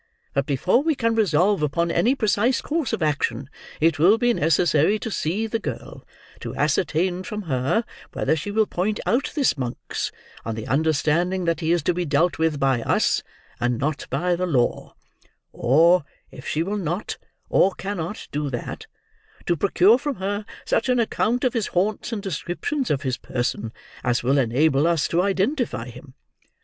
But, before we can resolve upon any precise course of action, it will be necessary to see the girl; to ascertain from her whether she will point out this Monks, on the understanding that he is to be dealt with by us, and not by the law; or, if she will not, or cannot do that, to procure from her such an account of his haunts and description of his person, as will enable us to identify him.